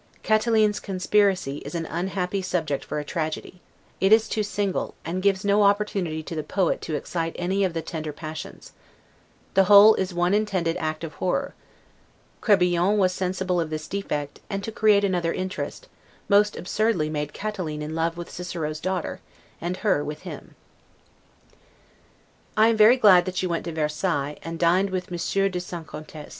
Catiline's conspiracy is an unhappy subject for a tragedy; it is too single, and gives no opportunity to the poet to excite any of the tender passions; the whole is one intended act of horror, Crebillon was sensible of this defect, and to create another interest, most absurdly made Catiline in love with Cicero's daughter, and her with him. I am very glad that you went to Versailles, and dined with Monsieur de St. Contest.